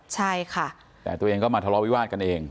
ใช่ค่ะแต่ตัวเองก็มาทะเลาวิวาสกันเอง